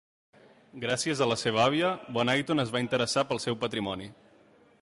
Gràcies a la seva àvia, Bonython es va interessar pel seu patrimoni.